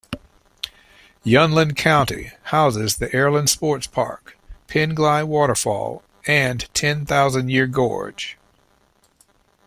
Yunlin County houses the Erlun Sports Park, Penglai Waterfall and Ten Thousand Year Gorge.